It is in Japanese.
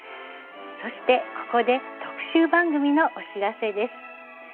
そしてここで特集番組のお知らせです。